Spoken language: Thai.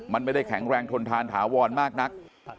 มันไม่ได้แข็งแรงทนทานถาวรมากนัก